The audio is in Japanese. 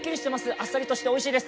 あっさりとしておいしいです。